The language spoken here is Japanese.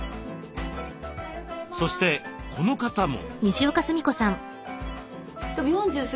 そしてこの方も。